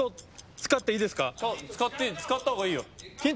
使った方がいいよ。